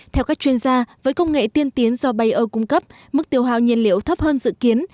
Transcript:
theo các chuyên gia với công nghệ tiên tiến do bayer cung cấp mức tiêu hào nhiên liệu thấp hơn dự kiến